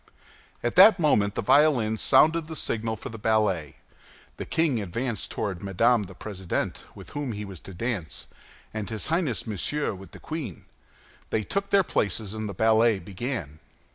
At that moment the violins sounded the signal for the ballet. The king advanced toward Madame the President, with whom he was to dance, and his Highness Monsieur with the queen. They took their places, and the ballet began.